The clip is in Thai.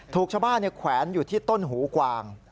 ถูกชาวบ้านแขวนอยู่ที่ต้นหูกวาง